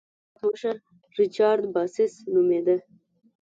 د دې شرکت مشر ریچارډ باسس نومېده.